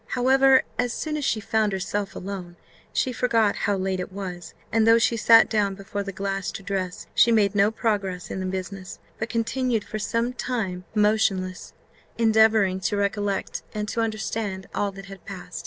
However, as soon as she found herself alone, she forgot how late it was; and though she sat down before the glass to dress, she made no progress in the business, but continued for some time motionless, endeavouring to recollect and to understand all that had passed.